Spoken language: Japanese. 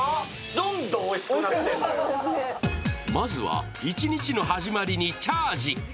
まずは一日の始まりにチャージ。